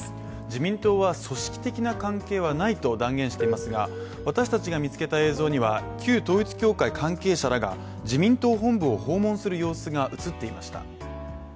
自民党は組織的な関係はないと断言していますすが、私たちが見つけた映像には旧統一教会関係者らが自民党本部を訪問する様子が映っていました。